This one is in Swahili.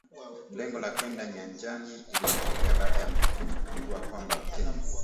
Lengo la kwenda nyanjani lilitokea baada ya mtafiti kugundua kwamba Utenzi